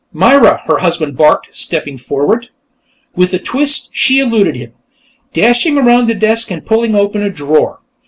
_" "Myra!" her husband barked, stepping forward. With a twist, she eluded him, dashing around the desk and pulling open a drawer.